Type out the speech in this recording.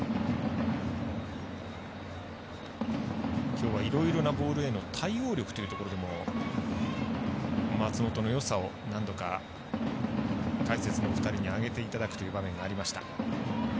きょうはいろいろなボールへの対応力というところでも松本のよさを何度か解説のお二人に挙げていただく場面がありました。